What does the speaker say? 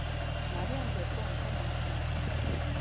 Մարիան երկու անգամ ամուսնացել է։